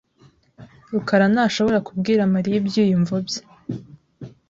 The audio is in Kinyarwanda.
rukarantashobora kubwira Mariya ibyiyumvo bye.